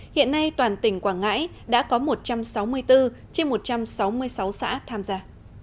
hiện nay toàn tỉnh quảng ngãi đã có một trăm sáu mươi bốn trên một trăm sáu mươi sáu xã tham gia